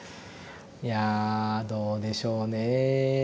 いやぁどうでしょうね。